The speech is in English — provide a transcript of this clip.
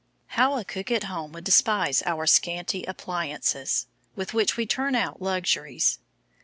How a cook at home would despise our scanty appliances, with which we turn out luxuries.